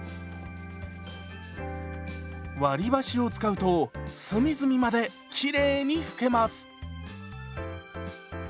割り箸を使うと隅々まできれいに拭けます。